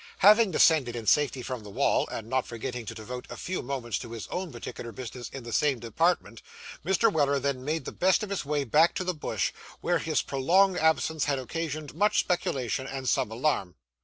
Having descended in safety from the wall, and not forgotten to devote a few moments to his own particular business in the same department, Mr. Weller then made the best of his way back to the Bush, where his prolonged absence had occasioned much speculation and some alarm.